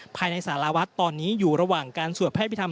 ภายในสารวัฒน์ตอนนี้อยู่ระหว่างการสวดพระพิธรรม